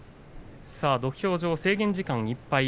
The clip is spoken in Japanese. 土俵上制限時間いっぱい。